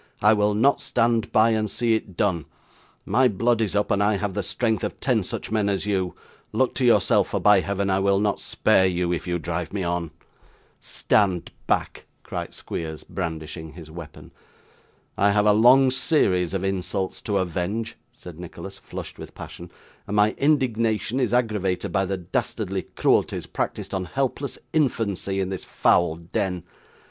I will not stand by, and see it done. My blood is up, and I have the strength of ten such men as you. Look to yourself, for by Heaven I will not spare you, if you drive me on!' 'Stand back,' cried Squeers, brandishing his weapon. 'I have a long series of insults to avenge,' said Nicholas, flushed with passion; 'and my indignation is aggravated by the dastardly cruelties practised on helpless infancy in this foul den.